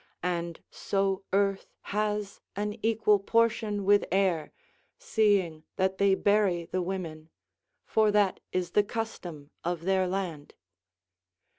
And so earth has an equal portion with air, seeing that they bury the women; for that is the custom of their land.